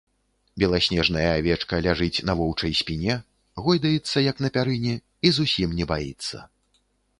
Беласнежная авечка ляжыць на воўчай спіне, гойдаецца, як на пярыне, і зусім не баіцца.